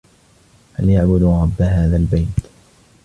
فليعبدوا رب هذا البيت